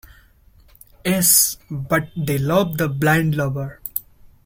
Yes, but they love the blind lover.